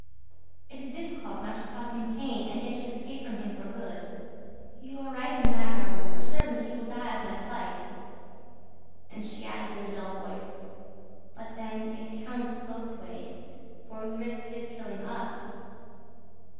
"It is difficult not to cause him pain and yet to escape from him for good." "You are right in that, Raoul, for certainly he will die of my flight." And she added in a dull voice, "But then it counts both ways ... for we risk his killing us."